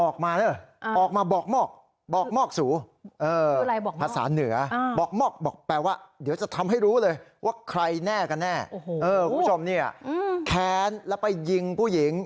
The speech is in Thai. คุณผู้ชมเนี่ยแค้นแล้วไปยิงผู้หญิง